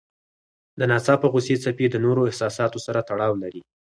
د ناڅاپه غوسې څپې د نورو احساساتو سره تړاو لري.